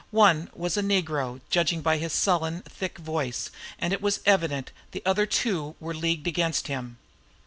One was a negro, judging by his sullen, thick voice, and it was evident the other two were leagued against him.